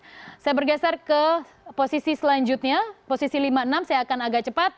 kembali lagi kita ke posisi selanjutnya posisi lima enam saya akan agak cepat